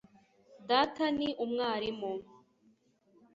data ni umwarimu